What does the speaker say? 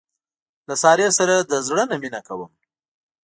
له سارې سره د زړه نه مینه کوم.